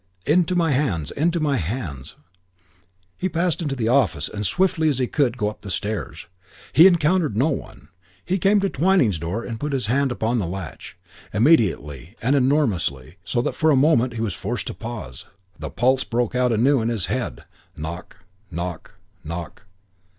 "Into my hands! Into my hands." He passed into the office and swiftly as he could go up the stairs. He encountered no one. He came to Twyning's door and put his hand upon the latch. Immediately, and enormously, so that for a moment he was forced to pause, the pulse broke out anew in his head. Knock, knock, knock. Knock, knock, knock.